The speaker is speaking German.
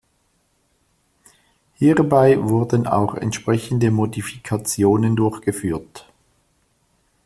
Hierbei wurden auch entsprechende Modifikationen durchgeführt.